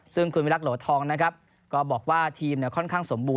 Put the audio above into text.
ซึ่งคุณวิลักษณ์โหลดทองก็บอกว่าทีมค่อนข้างสมบูรณ์